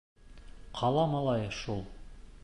Ҡала малайы шул.